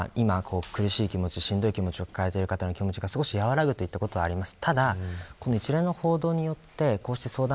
傾聴ということによって今、苦しい気持ちしんどい気持ちを抱えている方の気持ちが少し和らぐといったことはあります。